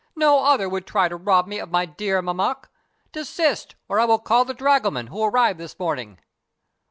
"No other would try to rob me of my dear Mammek. Desist, or I will call the dragoman, who arrived this morning!"